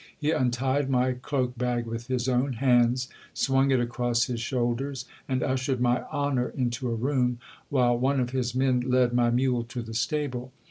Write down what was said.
He untied my cloak bag with his own hands, swung it across his shoulders, and ushered my Honour into a room, while one of his men led my mule to the stable.